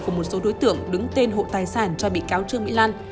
của một số đối tượng đứng tên hộ tài sản cho bị cáo trương mỹ lan